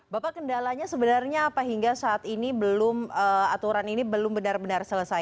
bapak kendalanya sebenarnya apa hingga saat ini belum aturan ini belum benar benar selesai